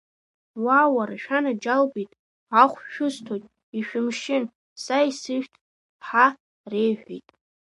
Уа, уара, шәанаџьалбеит, ахә шәысҭоит, ишәымшьын, са исышәҭ, ҳа реиҳәеит.